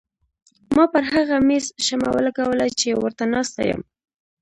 ما پر هغه مېز شمه ولګوله چې ورته ناسته یم.